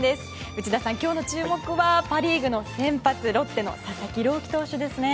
内田さん、今日の注目はパ・リーグの先発ロッテの佐々木朗希投手ですね。